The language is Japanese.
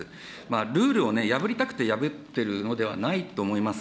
ルールを破りたくて破っているのではないと思います。